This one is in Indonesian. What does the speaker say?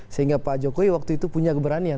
sehingga pak jokowi waktu itu punya keberanian